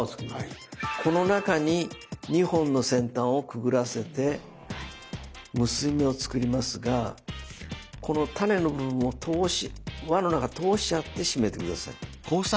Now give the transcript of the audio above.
この中に２本の先端をくぐらせて結び目を作りますがこのタネの部分も通し輪の中通しちゃって締めて下さい。